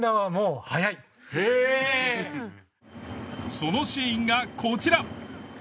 そのシーンがこちら。